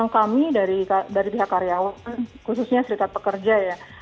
kami dari pihak karyawan khususnya serikat pekerja ya